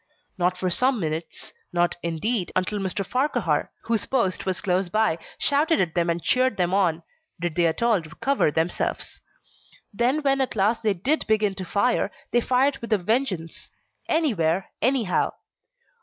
Not for some minutes not, indeed, until Mr. Farquhar, whose post was close by, shouted at them and cheered them on did they at all recover themselves. Then when at last they did begin to fire, they fired with a vengeance anywhere, anyhow.